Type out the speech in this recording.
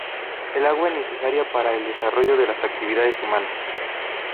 El agua es necesaria para el desarrollo de las actividades humanas.